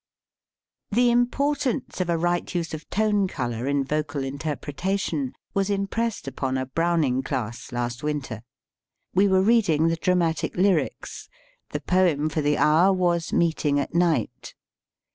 The importance of a right use of tone color in vocal interpretation was impressed upon a Browning class last winter. We were read ing the Dramatic Lyrics. The poem for the hour was "Meeting at Night."